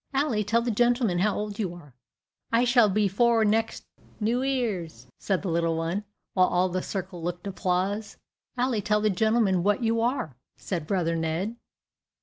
"Ally, tell the gentleman how old you are." "I s'all be four next New 'Ear's," said the little one, while all the circle looked applause. "Ally, tell the gentleman what you are," said brother Ned.